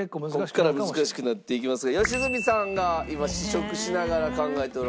ここからは難しくなっていきますが良純さんが今試食しながら考えておられます。